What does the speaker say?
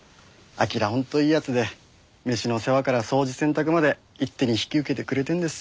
本当いい奴で飯の世話から掃除洗濯まで一手に引き受けてくれてるんです。